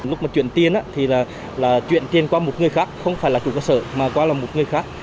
lúc mà chuyển tiền thì là chuyển tiền qua một người khác không phải là chủ cơ sở mà qua là một người khác